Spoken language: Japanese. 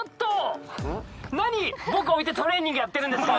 僕を置いてトレーニングやってるんですか